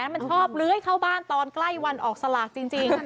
มันชอบเลื้อยเข้าบ้านตอนใกล้วันออกสลากจริง